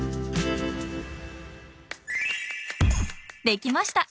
できました！